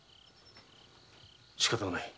しかたがない。